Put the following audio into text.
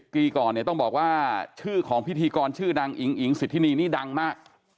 ปีก่อนเนี่ยต้องบอกว่าชื่อของพิธีกรชื่อดังอิ๋งอิ๋งสิทธินีนี่ดังมาก